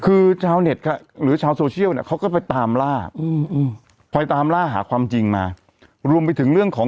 คือชาวเน็ตครับหรือชาวโซเชียลเนี่ยเขาก็ไปตามล่างอืม